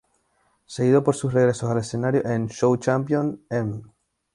Seguido por sus regresos al escenario en "Show Champion", "M!